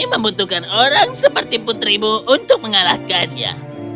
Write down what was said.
membutuhkan orang seperti putrimu untuk mengalahkannya